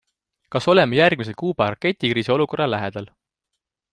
Kas oleme järgmise Kuuba raketikriisi olukorra lähedal?